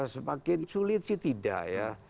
semakin sulit sih tidak ya